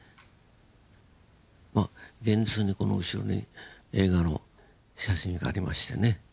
まあ現実にこの後ろに映画の写真がありましてね。